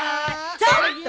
ちょっと！